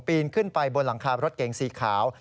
นขึ้นไปบนหลังคารถเก๋งสีขาว